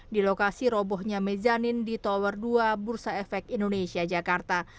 di lokasi robohnya mezanin di tower dua bursa efek indonesia jakarta